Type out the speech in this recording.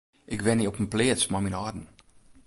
Ik wenje op in pleats mei myn âlden.